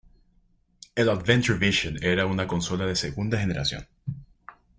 El Adventure Vision era una consola de segunda generación.